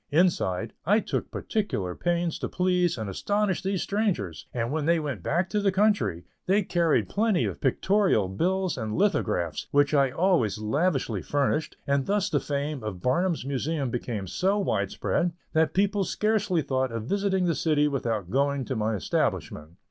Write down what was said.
Inside, I took particular pains to please and astonish these strangers, and when they went back to the country, they carried plenty of pictorial bills and lithographs, which I always lavishly furnished, and thus the fame of Barnum's Museum became so wide spread, that people scarcely thought of visiting the city without going to my establishment.